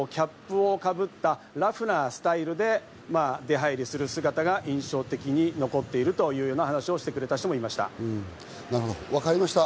印象的には常にキャップを被ったラフなスタイルで出入りする姿が印象的に残っているというような話をしてくれた人もいました。